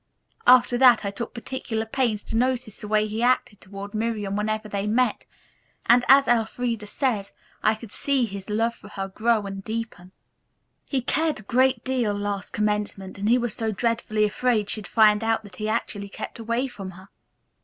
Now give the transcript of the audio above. After that I took particular pains to notice the way he acted toward Miriam whenever they met, and, as Elfreda says, I could see his love for her grow and deepen. He cared a great deal last commencement, and he was so dreadfully afraid she'd find out that he actually kept away from her."